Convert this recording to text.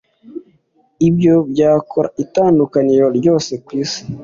ibyo byakora itandukaniro ryose kwisi.